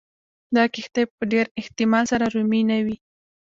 دا کښتۍ په ډېر احتمال سره رومي نه وې